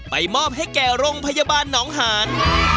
และโรงพยาบาลหนองหาน